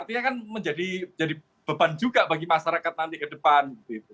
artinya kan menjadi beban juga bagi masyarakat nanti ke depan